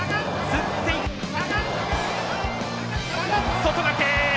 外掛け！